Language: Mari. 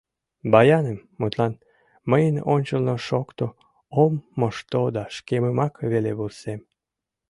Баяным, мутлан, мыйын ончылно шокто Ом мошто да шкемымак веле вурсем.